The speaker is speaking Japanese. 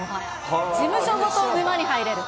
事務所ごと沼に入れる。